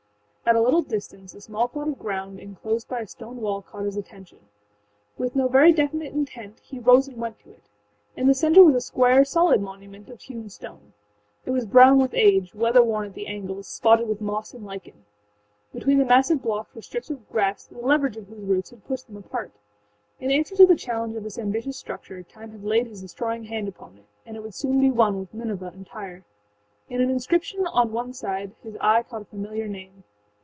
â At a little distance a small plot of ground enclosed by a stone wall caught his attention. With no very definite intent he rose and went to it. In the center was a square, solid monument of hewn stone. It was brown with age, weather worn at the angles, spotted with moss and lichen. Between the massive blocks were strips of grass the leverage of whose roots had pushed them apart. In answer to the challenge of this ambitious structure Time had laid his destroying hand upon it, and it would soon be âone with Nineveh and Tyre.â In an inscription on one side his eye caught a familiar name.